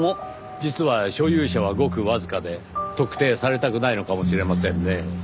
実は所有者はごくわずかで特定されたくないのかもしれませんね。